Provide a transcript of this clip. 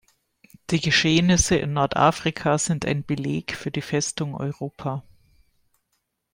Die Geschehnisse in Nordafrika sind ein Beleg für die "Festung Europa".